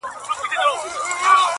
شکر دی گراني چي زما له خاندانه نه يې;